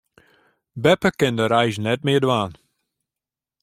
Beppe kin de reis net mear dwaan.